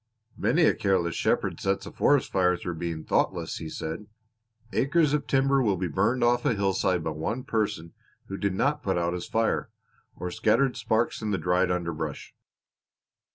"Many a careless shepherd sets a forest fire through being thoughtless," he said. "Acres of timber will be burned off a hillside by one person who did not put out his fire, or scattered sparks in the dried underbrush.